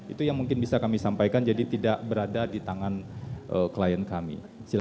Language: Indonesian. itu yang mungkin bisa kami sampaikan jadi tidak berada di tangan klien kami